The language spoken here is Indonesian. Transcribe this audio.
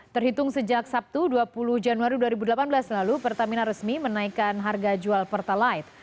terhitung sejak sabtu dua puluh januari dua ribu delapan belas lalu pertamina resmi menaikkan harga jual pertalite